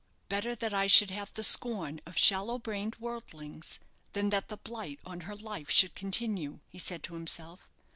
"Better that I should have the scorn of shallow brained worldlings than that the blight on her life should continue," he said to himself.